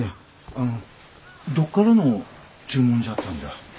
あのどこからの注文じゃったんじゃ？